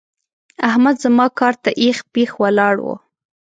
احمد زما کار ته اېښ پېښ ولاړ وو.